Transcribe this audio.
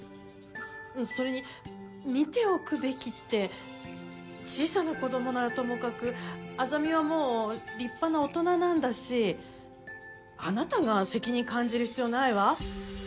それに「見ておくべき」って小さな子どもならともかく莇はもう立派な大人なんだしあなたが責任感じる必要ないわ。